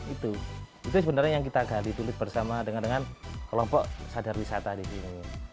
itu sebenarnya yang kita gali tulis bersama dengan kelompok sadar wisata di sini